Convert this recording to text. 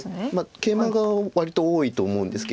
ケイマが割と多いと思うんですけれど。